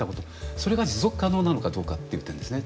それが持続可能なのかどうかっていう点ですね。